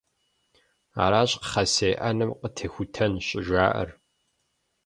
Аращ «кхъэсей Ӏэнэм къытехутэн» щӀыжаӀэр.